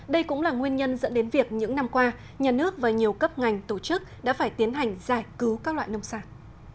đây cũng là nguyên nhân dẫn đến việc những năm qua nhà nước và nhiều cấp ngành tổ chức đã phải tiến hành giải cứu các loại nông sản